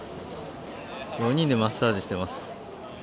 ４人でマッサージしています。